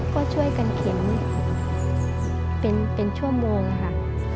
ก็ช่วยกันเข็นเป็นชั่วโมงค่ะ